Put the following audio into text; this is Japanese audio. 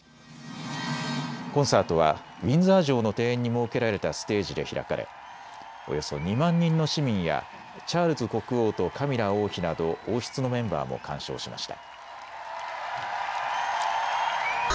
コンサートはウィンザー城の庭園に設けられたステージで開かれおよそ２万人の市民やチャールズ国王とカミラ王妃など王室のメンバーも鑑賞しました。